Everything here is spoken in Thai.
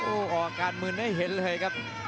โอ้โหออกอาการมืนให้เห็นเลยครับ